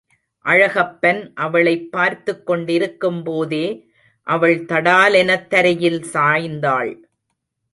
அழகப்பன் அவளைப் பார்த்துக் கொண்டிருக்கும் போதே அவள் தடாலெனத் தரையில் சாய்ந்தாள்.